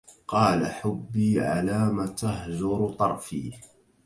قال حبي علام تهجر طرفي